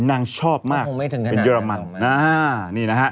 นางชอบมากเป็นเยอรมัน